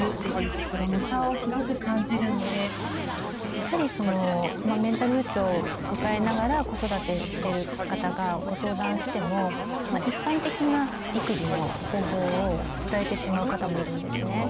やはりそのメンタル不調を抱えながら子育てしてる方がご相談しても一般的な育児の方法を伝えてしまう方もいるんですね。